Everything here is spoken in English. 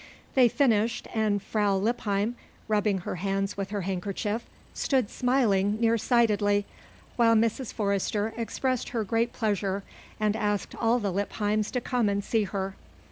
They finished and Frau Lippheim, rubbing her hands with her handkerchief, stood smiling near sightedly, while Mrs. Forrester expressed her great pleasure and asked all the Lippheims to come and see her.